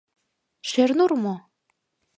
Шернур мо?